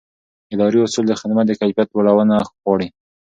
اداري اصول د خدمت د کیفیت لوړونه غواړي.